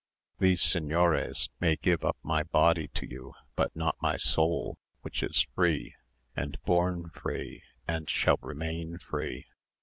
These señores may give up my body to you, but not my soul, which is free, was born free, and shall remain free.